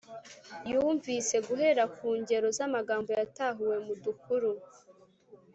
yumvise; -guhera ku ngero z’amagambo yatahuwe mu dukuru,